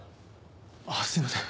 ああすいません。